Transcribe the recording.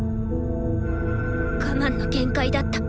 我慢の限界だった。